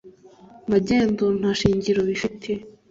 magendu nta shingiro bifite